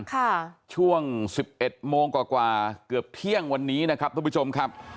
ค่ะช่วงสิบเอ็ดโมงกว่ากว่าเกือบเที่ยงวันนี้นะครับทุกผู้ชมครับ